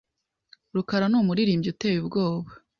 rukaranumuririmbyi uteye ubwoba.